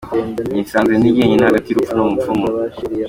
Nisanze ndi jyenyine hagati y’urupfu n’umupfumu.